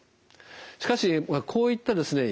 しかしこういったですね